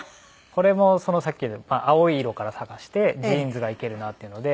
これもさっき青い色から探してジーンズがいけるなっていうので。